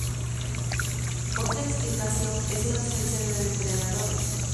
Otra explicación es la ausencia de depredadores.